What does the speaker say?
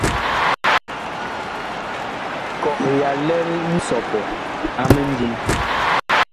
Kɔh ya lɛl nsɔpɔ a mindim.